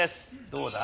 どうだ？